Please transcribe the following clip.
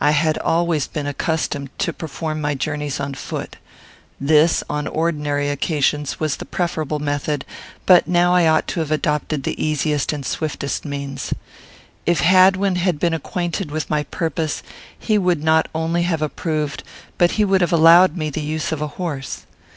I had always been accustomed to perform my journeys on foot. This, on ordinary occasions, was the preferable method, but now I ought to have adopted the easiest and swiftest means. If Hadwin had been acquainted with my purpose he would not only have approved, but would have allowed me, the use of a horse.